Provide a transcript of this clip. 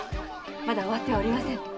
まだ終わってはおりません。